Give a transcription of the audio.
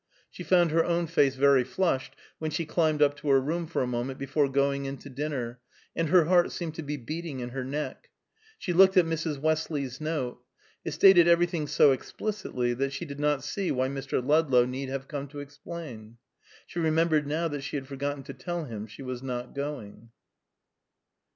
She found her own face very flushed, when she climbed up to her room for a moment before going in to dinner, and her heart seemed to be beating in her neck. She looked at Mrs. Westley's note. It stated everything so explicitly that she did not see why Mr. Ludlow need have come to explain. She remembered now that she had forgotten to tell him she was not going.